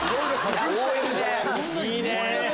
いいね！